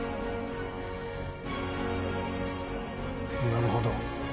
「なるほど」